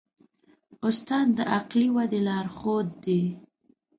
استاد د عقلي ودې لارښود دی.